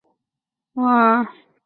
学生贷款。